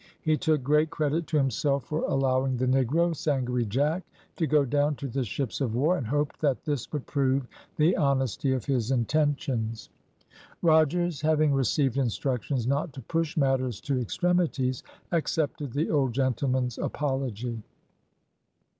He took great credit to himself for allowing the negro, Sangaree Jack, to go down to the ships of war, and hoped that this would prove the honesty of his intentions. Rogers having received instructions not to push matters to extremities, accepted the old gentleman's apology.